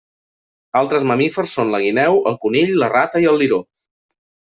Altres mamífers són la guineu, el conill la rata i el liró.